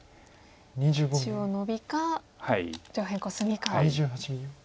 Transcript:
中央ノビか上辺コスミか。